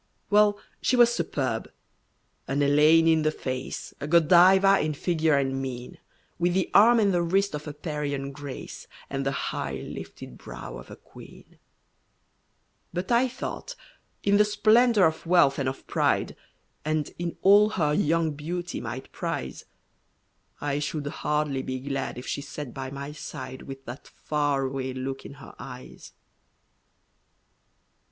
Well, she was superb an Elaine in the face, A Godiva in figure and mien, With the arm and the wrist of a Parian "Grace," And the high lifted brow of a queen; But I thought, in the splendor of wealth and of pride, And in all her young beauty might prize, I should hardly be glad if she sat by my side With that far away look in her eyes.